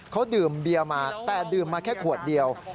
เขาดื่มเบียมาแต่ดื่มมาแค่ขวดเดียว